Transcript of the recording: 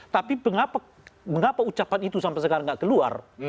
tapi mengapa ucapan itu sampai sekarang tidak keluar